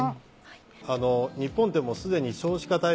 日本でもすでに少子化対策